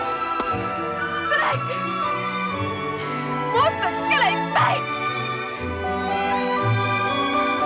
もっと力いっぱい！